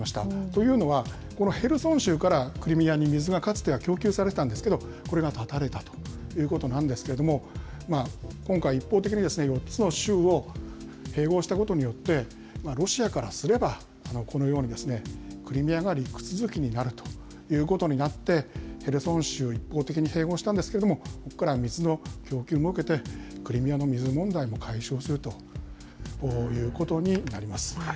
というのは、このヘルソン州からクリミアに水がかつては供給されてたんですけど、これが断たれたということなんですけれども、今回、一方的に４つの州を併合したことによって、ロシアからすれば、このように、クリミアが陸続きになるということになって、ヘルソン州を一方的に併合したんですけれども、水の供給も受けて、クリミアの水問題も解消するということになります。